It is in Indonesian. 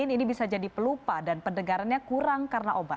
ini bisa jadi pelupa dan pendengarannya kurang karena obat